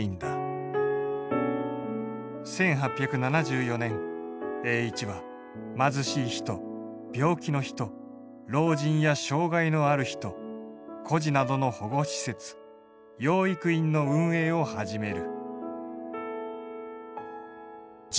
１８７４年栄一は貧しい人病気の人老人や障害のある人孤児などの保護施設養育院の運営を始める。